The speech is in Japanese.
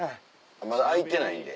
まだ開いてないんで。